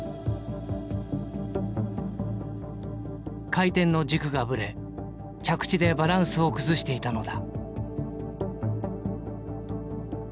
回転の軸がブレ着地でバランスを崩していたのだ。